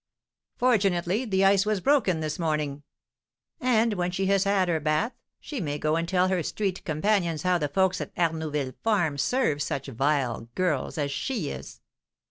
"Fortunately, the ice was broken this morning!" "And when she has had her bath she may go and tell her street companions how the folks at Arnouville farm serve such vile girls as she is!"